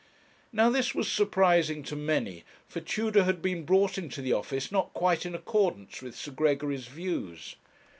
Now this was surprising to many, for Tudor had been brought into the office not quite in accordance with Sir Gregory's views.